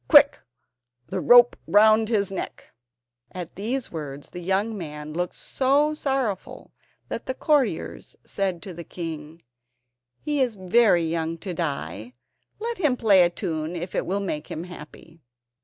Quick! the rope round his neck." At these words the young man looked so sorrowful that the courtiers said to the king: "He is very young to die. Let him play a tune if it will make him happy."